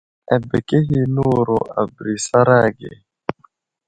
Abekehe di newuro a bəra isaray ge .